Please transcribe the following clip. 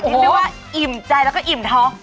นี่เรียกว่าอิ่มใจแล้วก็อิ่มท้อง